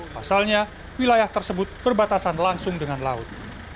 pasalnya wilayah tersebut berbatasan langsung dengan laut